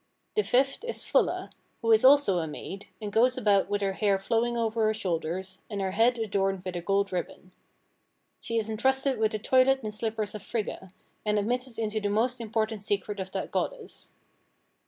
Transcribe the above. The fifth is Fulla, who is also a maid, and goes about with her hair flowing over her shoulders, and her head adorned with a gold ribbon. She is entrusted with the toilette and slippers of Frigga, and admitted into the most important secrets of that goddess.